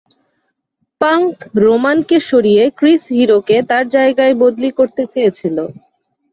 Punk Roman কে সরিয়ে Chris Hero কে তার জায়গায় বদলি করতে চেয়েছিল।